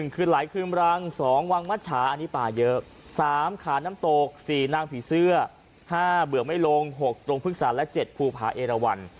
คืนไหลคืนรัง๒วังมัชชาอันนี้ป่าเยอะ๓ขาน้ำตก๔นางผีเสื้อ๕เบื่อไม่ลง๖ตรงพฤกษาและ๗ภูผาเอราวัน